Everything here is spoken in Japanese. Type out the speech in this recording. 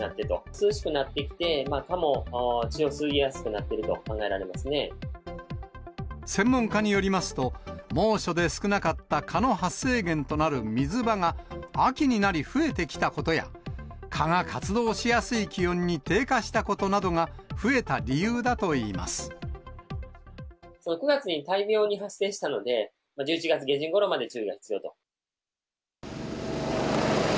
涼しくなってきて、蚊も血を吸いやすくなっていると考えられます専門家によりますと、猛暑で少なかった蚊の発生源となる水場が、秋になり増えてきたことや、蚊が活動しやすい気温に低下したことなどが、増えた理由だといい９月に大量に発生したので、１１月下旬ごろまで注意が必要と。